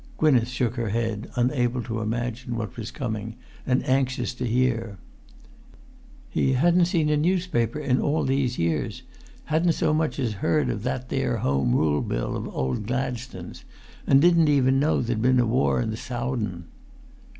Gwynneth shook her head, unable to imagine what was coming, and anxious to hear. "He hadn't seen a newspaper in all these years! Hadn't so much as heard of that there Home Rule Bill of old Gladstone's, and didn't even know there'd been a war in the Sowd'n!"